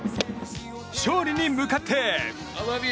勝利に向かって。